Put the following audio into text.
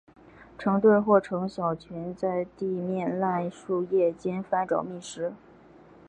成对或成小群在地面烂树叶间翻找觅食。